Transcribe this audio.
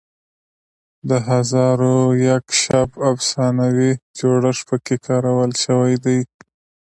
د هزار و یک شب افسانوي جوړښت پکې کارول شوی دی.